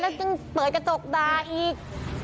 แล้วยังเปิดกระจกด่าอีก